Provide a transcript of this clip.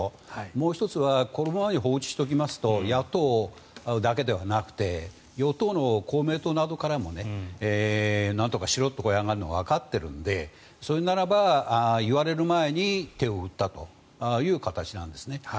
もう１つはこのまま放置しておきますと野党だけではなくて与党の公明党からもなんとかしろと声が上がるのはわかっているのでそれならば言われる前に手を打ったという形なんですね。